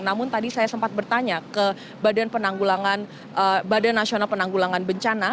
namun tadi saya sempat bertanya ke badan nasional penanggulangan bencana